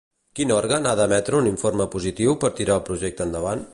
Quin òrgan ha d'emetre un informe positiu per tirar el projecte endavant?